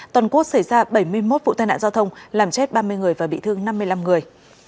toàn quốc xảy ra bảy mươi một vụ tai nạn giao thông làm chết ba mươi người và bị thương năm mươi năm người